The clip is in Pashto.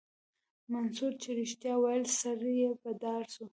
منصور چې رښتيا ويل سر يې په دار سو.